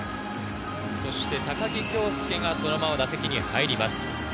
高木京介がそのまま打席に入ります。